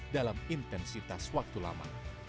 dalam intensitas waktu lama